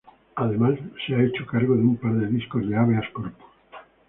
Además se ha hecho cargo de un par de discos de Habeas Corpus.